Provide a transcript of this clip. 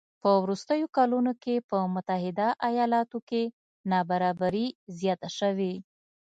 په وروستیو کلونو کې په متحده ایالاتو کې نابرابري زیاته شوې